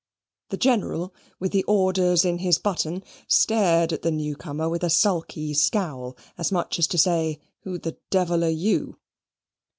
The General, with the orders in his button, stared at the newcomer with a sulky scowl, as much as to say, who the devil are you?